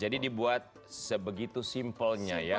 jadi dibuat sebegitu simpelnya ya